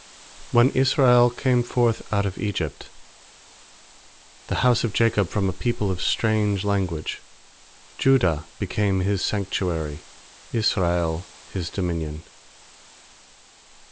When Israel came forth out of Egypt, The house of Jacob from a people of strange language; 2Judah became His sanctuary, Israel His dominion.